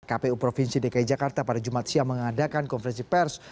kpu provinsi dki jakarta pada jumat siang mengadakan konferensi pers